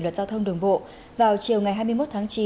luật giao thông đường bộ vào chiều ngày hai mươi một tháng chín